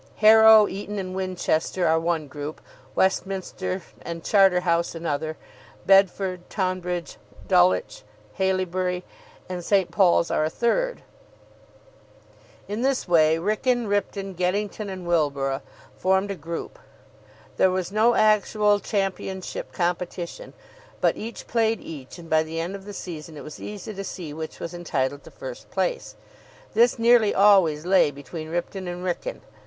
Harrow, Eton, and Winchester are one group: Westminster and Charterhouse another: Bedford, Tonbridge, Dulwich, Haileybury, and St. Paul's are a third. In this way, Wrykyn, Ripton, Geddington, and Wilborough formed a group. There was no actual championship competition, but each played each, and by the end of the season it was easy to see which was entitled to first place. This nearly always lay between Ripton and Wrykyn.